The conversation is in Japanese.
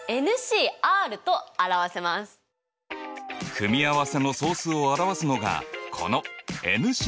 組合せの総数を表すのがこのＣだ。